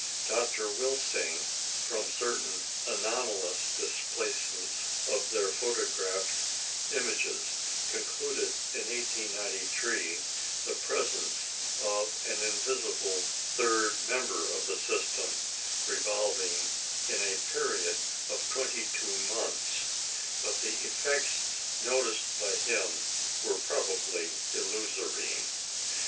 Dr. Wilsing, from certain anomalous displacements of their photographed images, concluded in 1893 the presence of an invisible third member of the system, revolving in a period of twenty two months; but the effects noticed by him were probably illusory.